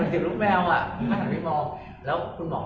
เห็นลูกแมวเหมือนเซิกลูกแมวพลังไปมอง